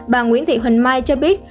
bà nguyễn thị huỳnh mai cho biết